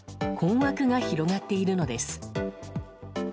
困惑が広がっているのです。